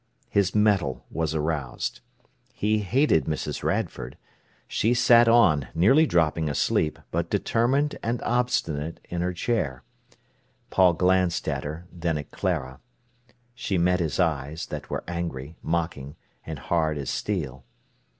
His mettle was roused. He hated Mrs. Radford. She sat on, nearly dropping asleep, but determined and obstinate in her chair. Paul glanced at her, then at Clara. She met his eyes, that were angry, mocking, and hard as steel.